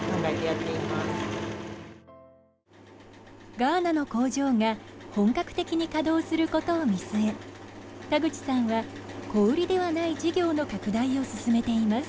ガーナの工場が本格的に稼働することを見据え田口さんは小売りではない事業の拡大を進めています。